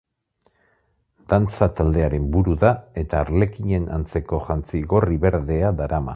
Dantza-taldearen buru da, eta arlekinen antzeko jantzi gorri-berdea darama.